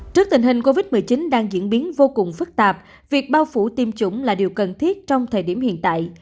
trước tình hình covid một mươi chín đang diễn biến vô cùng phức tạp việc bao phủ tiêm chủng là điều cần thiết trong thời điểm hiện tại